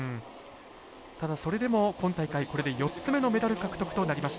ただそれでも今大会これで４つ目のメダル獲得となりました。